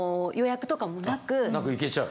なく行けちゃう？